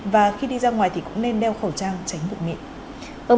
và khi đi ra ngoài thì cũng nên đeo khẩu trang tránh bụng mịn